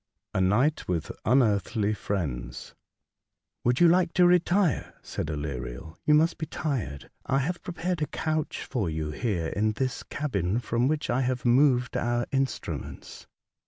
A NIGHT WITH UNEARTHLY FRIENDS. "TT70ULD you like to retire ?" said AlerieL T f '« You must be tired. I have prepared a couch for you here in this cabin, from which I have moved our instruments."